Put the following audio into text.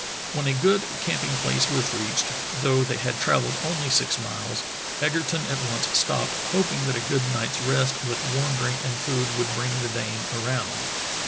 When a good camping place was reached, though they had travelled only six miles, Egerton at once stopped, hoping that a good night's rest with warm drink and food would bring the Dane around.